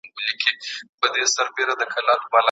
که رییس ناکام وای نو تقلید یې غلط و.